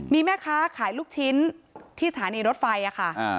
มีแม่ค้าขายลูกชิ้นที่สถานีรถไฟค่ะ